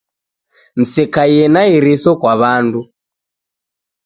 Msekaie na iriso kwa w'andu